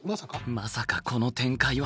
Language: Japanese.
まさかこの展開は。